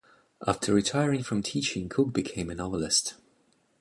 After retiring from teaching, Cook became a novelist.